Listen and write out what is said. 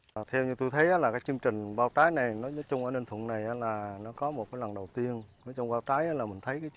nói chung là cái trái này nói chung là cái trái này